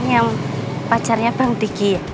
ini yang pacarnya bang diki ya